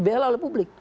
itu dibela oleh publik